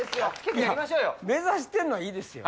目指してんのはいいですよ。